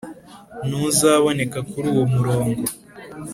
ntuzaboneka kuri uwo murongo